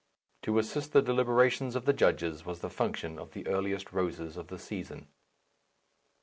To assist the deliberations of the judges was the function of the earliest roses of the season.